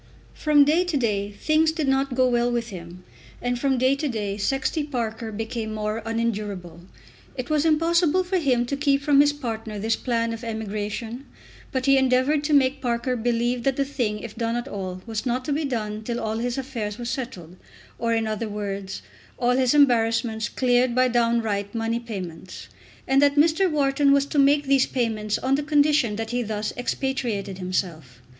From day to day things did not go well with him, and from day to day Sexty Parker became more unendurable. It was impossible for him to keep from his partner this plan of emigration, but he endeavoured to make Parker believe that the thing, if done at all, was not to be done till all his affairs were settled, or in other words all his embarrassments cleared by downright money payments, and that Mr. Wharton was to make these payments on the condition that he thus expatriated himself.